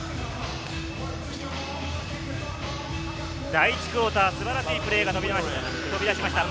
第１クオーター、素晴らしいプレーが飛び出しました。